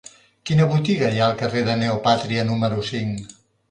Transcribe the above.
Quina botiga hi ha al carrer de Neopàtria número cinc?